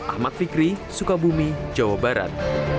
ahmad fikri sukabumi jawa barat